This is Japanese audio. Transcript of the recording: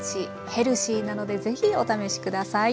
ヘルシーなのでぜひお試し下さい。